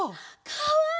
かわいい。